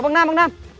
bằng nam bằng nam